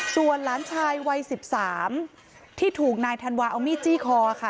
ส่วนหลานชายวัย๑๓ที่ถูกนายธันวาเอามีดจี้คอค่ะ